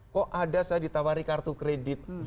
kok ada saya ditawari kartu kredit